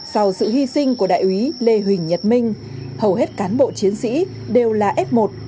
sau sự hy sinh của đại úy lê huỳnh nhật minh hầu hết cán bộ chiến sĩ đều là f một